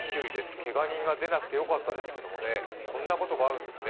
けが人が出なくてよかったですけどね、こんなことがあるんですね。